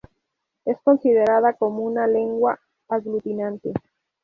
Es considerada como una lengua aglutinante.